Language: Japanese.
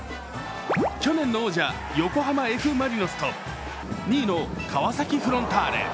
去年の王者、横浜Ｆ・マリノスと２位の川崎フロンターレ。